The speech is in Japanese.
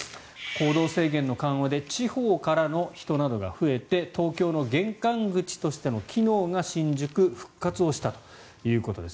行動制限の緩和で地方からの人などが増えて東京の玄関口としての機能が新宿、復活をしたということです。